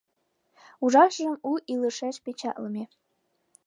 Ужашыжым «У илышеш» печатлыме.